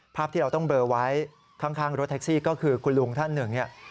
ภาพที่เราต้องเบลอไว้ข้างรถแท็กซี่ก็คือคุณลุงท่านหนึ่งเนี่ย